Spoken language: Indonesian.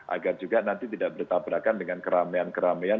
agar juga nanti tidak bertabrakan dengan keramaian keramaian